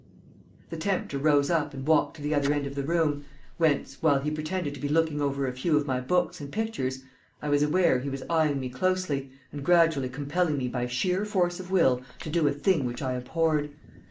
The tempter rose up and walked to the other end of the room, whence, while he pretended to be looking over a few of my books and pictures, I was aware he was eyeing me closely, and gradually compelling me by sheer force of will to do a thing which I abhorred.